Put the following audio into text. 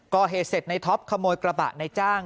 ก่อเหตุเสร็จในท็อปขโมยกระบะในจ้าง